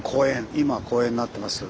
今公園になってますけども。